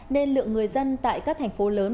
nên lượng người dân tại các thành phố lớn